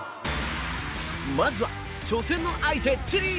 まずは、初戦の相手、チリ。